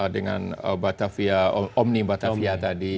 dengan batavia omni batavia tadi